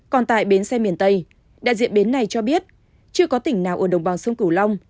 còn tại bến xe miền tây đại diện bến này cho biết chưa có tỉnh nào ở đồng bằng sông cửu long